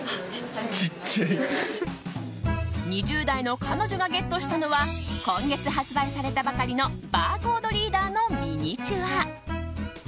２０代の彼女がゲットしたのは今月発売されたばかりのバーコードリーダーのミニチュア。